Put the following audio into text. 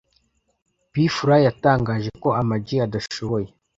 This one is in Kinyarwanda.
P Fla yatangaje ko Ama G adashoboye